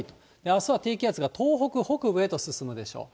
あすは低気圧が東北北部へと進むでしょう。